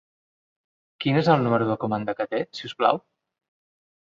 Quin és el número de comanda que té, si us plau.